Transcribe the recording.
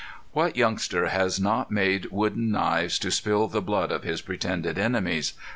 What youngster has not made wooden knives to spill the blood of his pretended enemies?